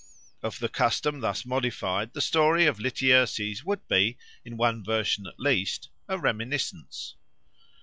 Of the custom thus modified the story of Lityerses would be, in one version at least, a reminiscence.